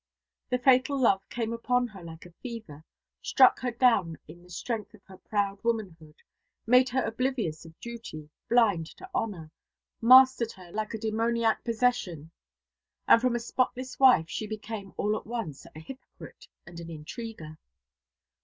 The fatal love came upon her like a fever, struck her down in the strength of her proud womanhood, made her oblivious of duty, blind to honour, mastered her like a demoniac possession, and from a spotless wife she became all at once a hypocrite and an intriguer.